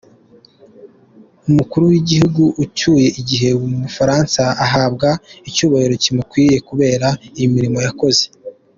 Umukuru w’igihugu ucyuye igihe mu Bufaransa ahabwa icyubahiro kimukwiye, kubera imirimo yakoze.